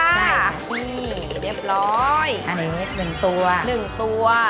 ใช่นี่เรียบร้อยอันนี้หนึ่งตัวหนึ่งตัว